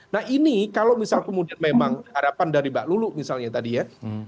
nah ini kalau misal kemudian memang harapan dari mbak lulu misalnya tadi ya